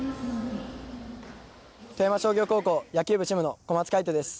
富山商業高校野球部主務の小松快斗です。